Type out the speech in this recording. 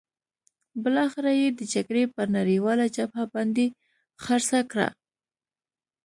بالاخره یې د جګړې پر نړیواله جبهه باندې خرڅه کړه.